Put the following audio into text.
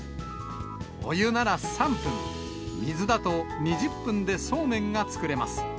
お湯なら３分、水だと２０分でそうめんが作れます。